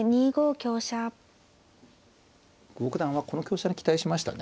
久保九段はこの香車に期待しましたね。